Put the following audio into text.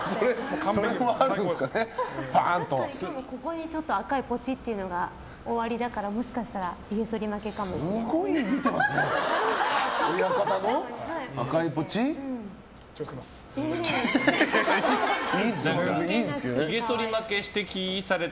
今も赤いポチっていうのがおありだから、もしかしたらひげそり負けかもしれない。